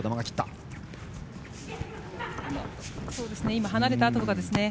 今、離れたあととかですね。